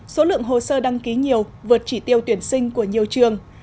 số lượng hồ sơ đăng ký nhiều vượt chỉ tiêu tuyển sinh của nhiều trường